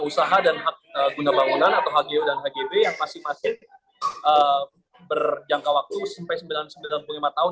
usaha dan hak guna bangunan atau hgo dan hgb yang pasti pasti berjangka waktu sampai sembilan puluh lima tahun dan delapan puluh tahun